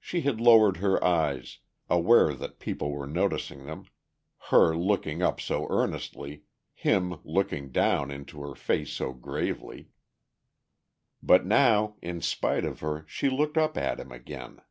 She had lowered her eyes, aware that people were noticing them, her looking up so earnestly, him looking down into her face so gravely. But now, in spite of her, she looked up at him again.